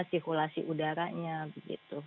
stikulasi udaranya begitu